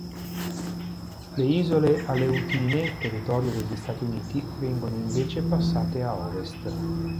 Le Isole Aleutine, territorio degli Stati Uniti, vengono invece passate a ovest.